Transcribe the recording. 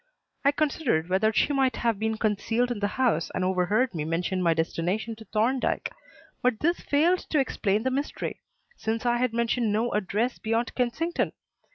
I considered whether she might not have been concealed in the house and overheard me mention my destination to Thorndyke. But this failed to explain the mystery, since I had mentioned no address beyond "Kensington."